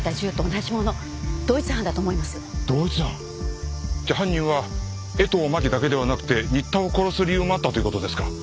じゃあ犯人は江藤真紀だけではなくて新田を殺す理由もあったという事ですか？